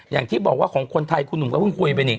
อย่างที่บอกว่าของคนไทยคุณหนูก็คุยเปล่านี้